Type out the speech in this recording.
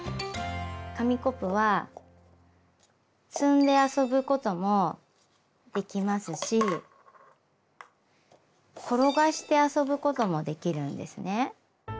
紙コップは積んで遊ぶこともできますし転がして遊ぶこともできるんですね。